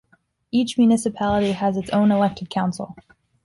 Each municipality has its own elected council.